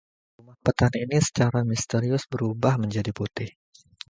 Rumah petani itu secara misterius berubah menjadi putih.